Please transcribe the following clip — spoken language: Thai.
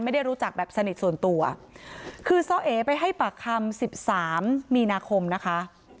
ไม่ได้รู้จักแบบสนิทส่วนตัวคือซ้อเอไปให้ปากคำสิบสามมีนาคมนะคะ